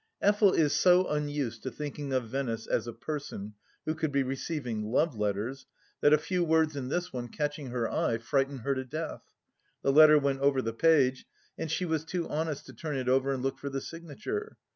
Effel is so unused to thinking of Venice as a person who could be receiving love letters that a few words in this one, catching her eye, frightened her to death. The letter went over the page, and she was too honest to turn it over and look for the signature.